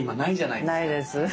ないです。